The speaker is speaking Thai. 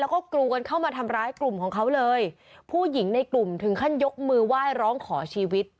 แล้วก็กรูกันเข้ามาทำร้ายกลุ่มของเขาเลยผู้หญิงในกลุ่มถึงขั้นยกมือไหว้ร้องขอชีวิต